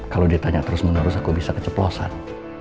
kalau ditanya terus menerus aku bisa keceplosan